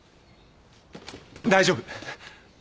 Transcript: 大丈夫。